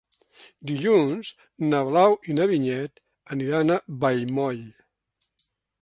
Dilluns na Blau i na Vinyet aniran a Vallmoll.